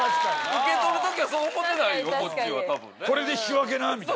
受け取る時はそう思うてないこっちはたぶん。